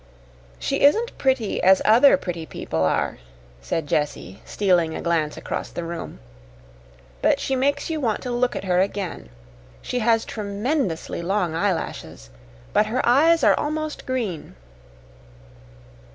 "She isn't pretty as other pretty people are," said Jessie, stealing a glance across the room; "but she makes you want to look at her again. She has tremendously long eyelashes, but her eyes are almost green."